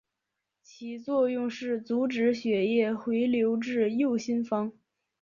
其作用是阻止血液回流至右心房。